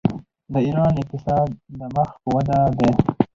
د ایران اقتصاد مخ په وده دی.